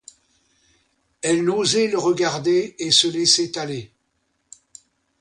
Elle n'osait le regarder et se laissait aller.